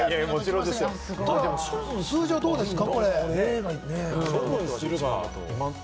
数字はどうですか？